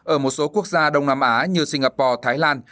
ở một số quốc gia đông nam á như singapore thái lan